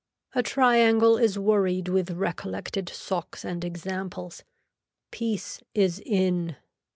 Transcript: A triangle is worried with recollected socks and examples. Peace is in.